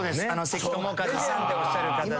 関智一さんっておっしゃる方で。